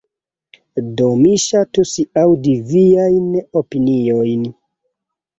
Do mi ŝatus aŭdi viajn opiniojn.